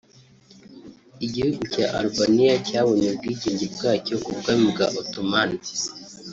Igihugu cya Albania cyabonye ubwigenge bwacxyo ku bwami bwa Ottoman